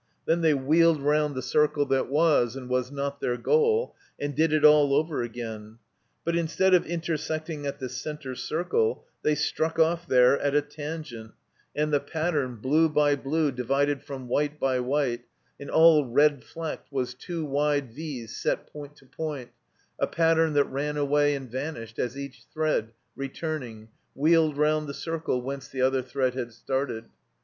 Then they wheeled round the circle that was and was not their goal, and did it all over again; but instead of intersecting at the center circle they struck off there at a tangent, and the pattern, blue by blue divided from white by white, and all red flecked, was two wide V's set point to point, a pattern that ran away and vanished as each thread, returning, wheeled round the circle whence the other thread had started.